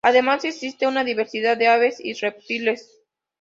Además existe una diversidad de aves y reptiles.